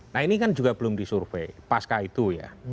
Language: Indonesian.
nah ini kan juga belum disurvey pasca itu ya